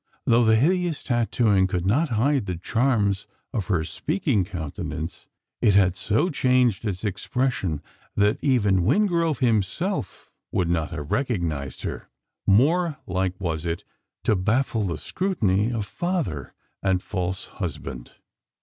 Though the hideous tattooing could not hide the charms of her speaking countenance, it had so changed its expression, that even Wingrove himself would not have recognised her! More like was it to baffle the scrutiny of father and false husband.